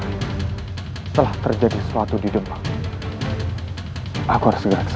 setelah terjadi sesuatu di demak